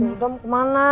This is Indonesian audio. udah mau kemana